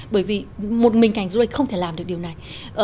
bởi vì một mình cảnh du lịch không thể làm được điều này